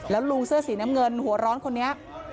แล้วลุงเสื้อสีน้ำเงินหัวร้อนคนนี้